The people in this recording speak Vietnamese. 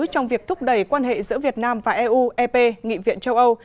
trong việc thúc đẩy quan hệ giữa việt nam và eu ep nghị viện châu âu